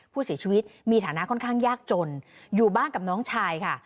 ผู้เสียชีวิตมีฐานะค่อนข้างยากจนอยู่บ้านกับน้องชายค่ะ